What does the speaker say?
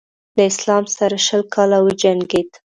له اسلام سره شل کاله وجنګېد.